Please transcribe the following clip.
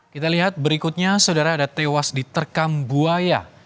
kita lihat berikutnya saudara ada tewas diterkam buaya